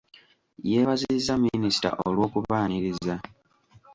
Yeebaziza Minisita olw'okubaaniriza.